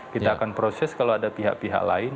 kita akan proses kalau ada pihak pihak lain